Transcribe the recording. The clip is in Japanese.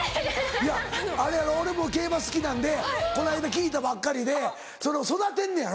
いやあれやろ俺も競馬好きなんでこの間聞いたばっかりでその育てんねやろ？